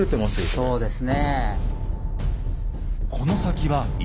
そうですね。